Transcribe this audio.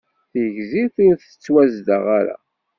Tigzirt ur tettwazdeɣ ara.